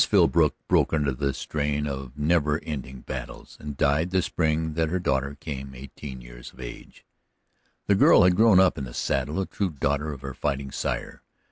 Philbrook broke under the long strain of never ending battles, and died the spring that her daughter came eighteen years of age. This girl had grown up in the saddle, a true daughter of her fighting sire.